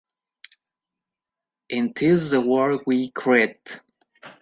Is This the World We Created...?